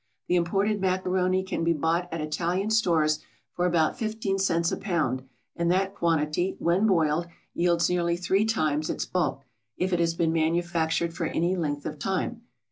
The imported macaroni can be bought at Italian stores for about fifteen cents a pound; and that quantity when boiled yields nearly three times its bulk, if it has been manufactured for any length of time.